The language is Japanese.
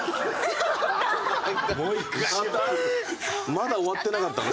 まだ終わってなかったの？